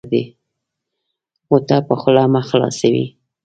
غوټه په خوله مه خلاصوی